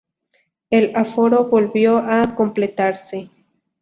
El aforo volvió a completarse.